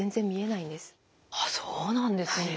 ああそうなんですね。